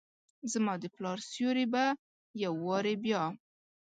زما دپلا ر سیوري به یووارې بیا،